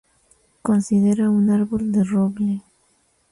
Considera un árbol de roble.